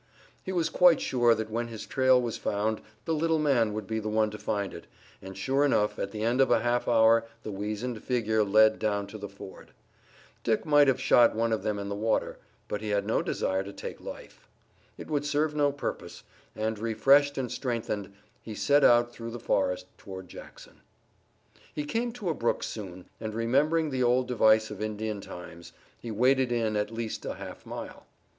He was quite sure that when his trail was found the little man would be the one to find it, and sure enough at the end of a half hour the weazened figure led down to the ford. Dick might have shot one of them in the water, but he had no desire to take life. It would serve no purpose, and, refreshed and strengthened, he set out through the forest toward Jackson. He came to a brook soon, and, remembering the old device of Indian times, he waded in it at least a half mile.